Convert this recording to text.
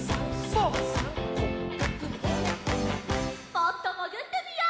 もっともぐってみよう。